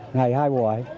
ngày hai buổi